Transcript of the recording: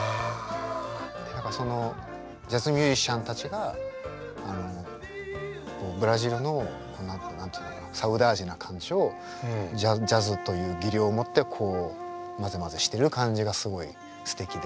何かそのジャズミュージシャンたちがブラジルの何て言うのサウダージな感じをジャズという技量を持って混ぜ混ぜしてる感じがすごいすてきで。